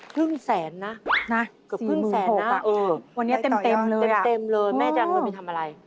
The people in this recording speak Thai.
ครึ่งแสนนะแค่ครึ่งแสนนะเออวันนี้เต็มเลยแม่จะเอาเงินไปทำอะไร